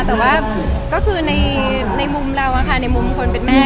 แต่ว่าก็คือในมุมเราในมุมคนเป็นแม่